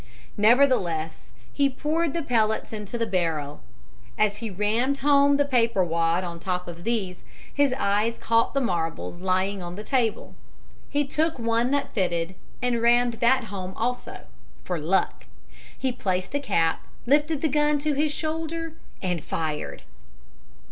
Nevertheless, he poured the pellets into the barrel. As he rammed home the paper wad on top of these, his eye caught the marbles lying on the table. He took one that fitted, and rammed that home also for luck. He placed a cap, lifted the gun to his shoulder, and fired.